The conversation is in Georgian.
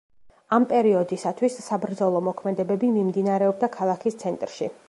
ამ პერიოდისათვის საბრძოლო მოქმედებები მიმდინარეობდა ქალაქის ცენტრში.